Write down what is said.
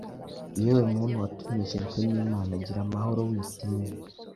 Yewe muntu watoneshejwe n’Imana gira amahoro witinya.